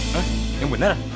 hah yang bener